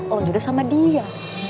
lo jodoh sama dia